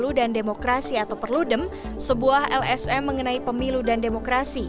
pemilu dan demokrasi atau perludem sebuah lsm mengenai pemilu dan demokrasi